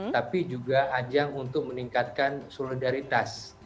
tapi juga ajang untuk meningkatkan solidaritas